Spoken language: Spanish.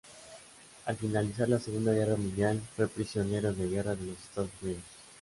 Al finalizar la Segunda Guerra Mundial fue prisionero de guerra de los Estados Unidos.